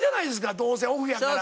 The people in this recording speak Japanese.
どうせオフやから。